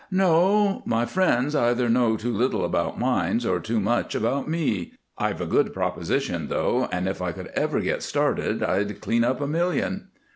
"No. My friends either know too little about mines or too much about me. I've a good proposition, though, and if I could ever get started, I'd clean up a million."